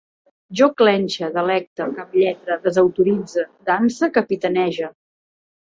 Jo clenxe, delecte, caplletre, desautoritze, danse, capitanege